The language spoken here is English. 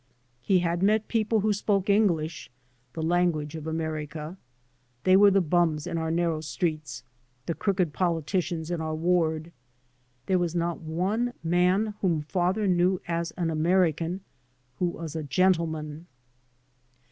He had met people who spoke English, the language of America. They were the bums in our nar row streets, the crooked politicians in our ward. There was not one man whom father knew as an American —■. who was a gentle man.